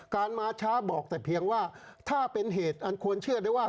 การมาช้าบอกแต่เพียงว่าถ้าเป็นเหตุอันควรเชื่อได้ว่า